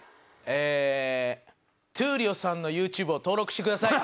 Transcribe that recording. ええ闘莉王さんのＹｏｕＴｕｂｅを登録してください！